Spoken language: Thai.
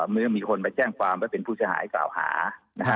มีคนมาแจ้งความว่าเป็นผู้ชายกล่าวหานะฮะ